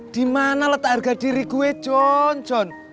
dimana letak harga diri gue john john